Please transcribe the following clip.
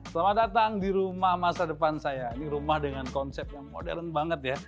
selamat datang di rumah masa depan saya ini rumah dengan konsep yang modern banget ya